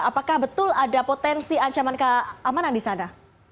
apakah betul ada potensi ancaman keamanan di sana